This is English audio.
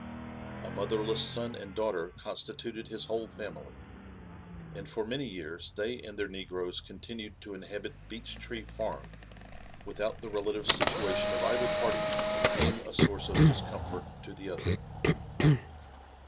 A motherless son and daughter constituted his whole family, and tor many years they and their negroes continued to inhabit "Beech tree Farm," without the relative situation of either party being a source of discomfort to the other.